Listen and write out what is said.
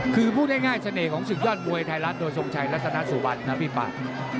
คือพูดได้ง่ายน่ะสเนต